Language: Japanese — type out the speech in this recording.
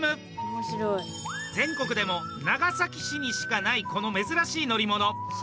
全国でも長崎市にしかないこの珍しい乗り物。